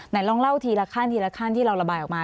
ลองเล่าทีละขั้นทีละขั้นที่เราระบายออกมา